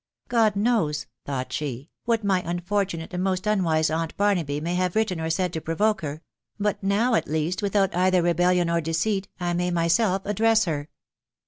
" God knows," thought she, " what my unfortunate and most unwise aunt Barnaby may have written or said to provoke her ; but now, at least, without either rebellion or deceit, I may myself ad dress her."